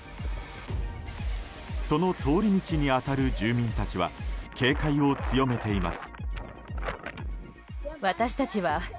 その通り道に当たる住民たちは警戒を強めています。